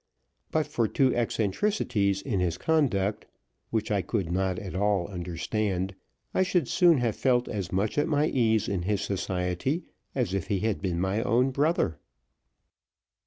But for two eccentricities in his conduct, which I could not at all understand, I should soon have felt as much at my ease in his society as if he had been my own brother.